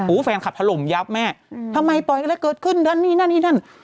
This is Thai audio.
แฟนคลับถล่มยับแม่อืมทำไมปล่อยอะไรเกิดขึ้นนั่นนี่นั่นนี่นั่น